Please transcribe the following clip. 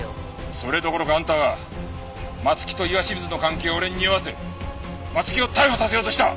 それどころかあんたは松木と岩清水の関係を俺ににおわせ松木を逮捕させようとした！